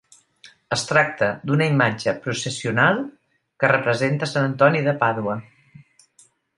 Es tracta d'una imatge processional que representa a sant Antoni de Pàdua.